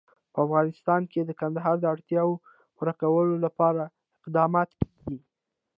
په افغانستان کې د کندهار د اړتیاوو پوره کولو لپاره اقدامات کېږي.